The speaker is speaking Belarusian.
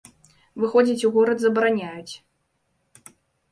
Выходзіць у горад забараняюць.